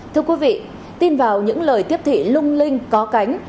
thưa quý vị tin vào những lời tiếp thị lung linh có cánh